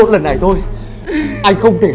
lần nào tôi xin tiền